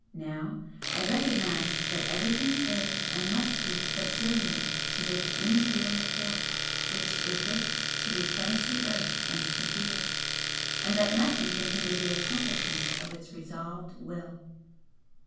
Now, I recognised that everything is and must be subservient to this interior force which exists to 'replenish the earth and subdue it' and that nothing can hinder the accomplishment of its resolved Will.